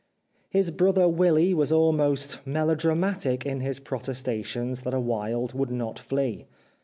His brother Willy was almost melodramatic in his protestations that a Wilde would not flee.